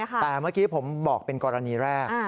แต่เมื่อกี้ผมบอกเป็นกรณีแรก